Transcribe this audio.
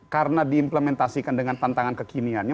karena diimplementasikan dengan tantangan kekiniannya